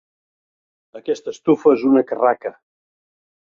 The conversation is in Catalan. Aquesta estufa és una carraca.